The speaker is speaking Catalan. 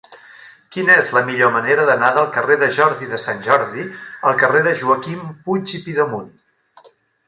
Quina és la millor manera d'anar del carrer de Jordi de Sant Jordi al carrer de Joaquim Puig i Pidemunt?